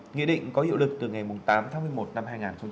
nghị định có hiệu lực từ ngày tám tháng một mươi một năm hai nghìn một mươi chín